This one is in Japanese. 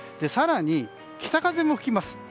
更に北風も吹きます。